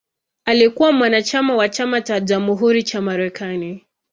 Alikuwa mwanachama wa Chama cha Jamhuri cha Marekani.